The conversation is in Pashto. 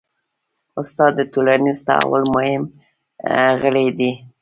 استاد د ټولنیز تحول مهم غړی دی.